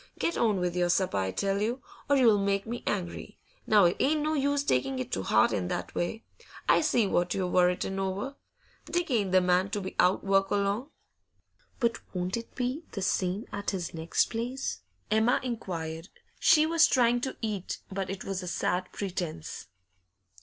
Get on with your supper, I tell you, or you'll make me angry. Now, it ain't no use taking it to 'eart in that way. I see what you're worritin' over. Dick ain't the man to be out o' work long.' 'But won't it be the same at his next place?' Emma inquired. She was trying to eat, but it was a sad pretence.